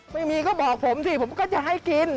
ไม่มีก็บอกผมสิผมก็จะให้กิน